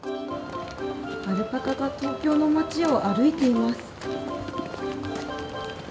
アルパカが東京の街を歩いています。